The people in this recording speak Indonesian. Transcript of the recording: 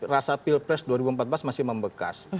rasa pilpres dua ribu empat belas masih membekas